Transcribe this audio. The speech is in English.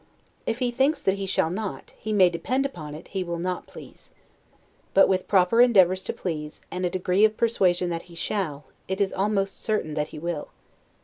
If he thinks that he shall not, he may depend upon it he will not please. But with proper endeavors to please, and a degree of persuasion that he shall, it is almost certain that he will.